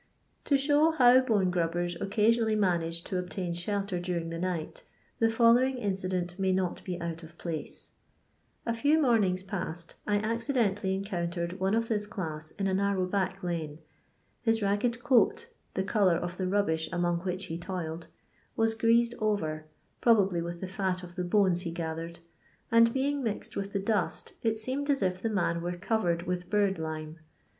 To show how bone grabbers occasionaUy aianage to obtain shelter during the night, the following incident may not be out of pboe. A lew morn ings past I accidentally encountered one of this class in a narrow back lane ; his ragged coat— Hthe colour of the rubbish among which he toiled — ^was greased over, probably with the fiit of the bonea he gathered, and being mixed with the dust it seemed as if the man were covered with bird lime.